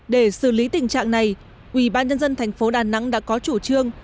để xử lý tình trạng này quỹ ban nhân dân thành phố đà nẵng đã có chủ trương